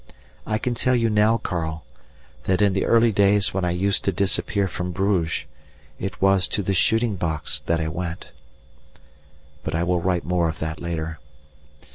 I can tell you now, Karl, that in the early days when I used to disappear from Bruges, it was to the shooting box that I went. But I will write more of that later.